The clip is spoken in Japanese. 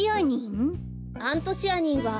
アントシアニン？